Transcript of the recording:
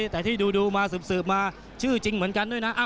แต่ที่ดูมาสืบมาชื่อจริงเหมือนกันด้วยนะ